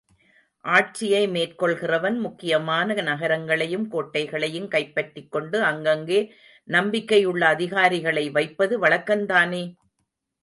ஆட்சியை மேற்கொள்கிறவன் முக்கியமான நகரங்களையும் கோட்டைகளையும் கைப்பற்றிக் கொண்டு, அங்கங்கே நம்பிக்கையுள்ள அதிகாரிகளை வைப்பது வழக்கந்தானே?